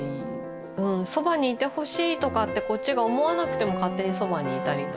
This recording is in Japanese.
うんそばにいてほしいとかってこっちが思わなくても勝手にそばにいたりとか。